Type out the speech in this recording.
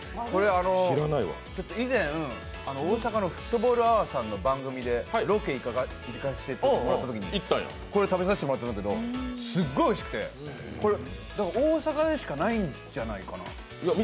以前、大阪のフットボールアワーさんの番組でロケに行かせてもらったときにこれ食べさせてもらったんですけどすっごいおいしくて、大阪でしかないんじゃないかな。